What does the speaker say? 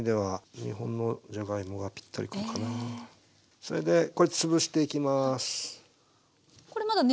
それでこれ潰していきます。